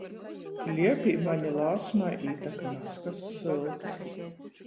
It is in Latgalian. Kliepī maņ i Lāsmai ītak nazkas sylts.